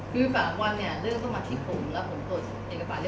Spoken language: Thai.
ก็คือเขาให้เรานี่ส่งชื่นนามกระปุ่นเลขบัญชีเค้าไปให้